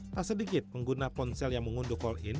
tak sedikit pengguna ponsel yang mengunduh call in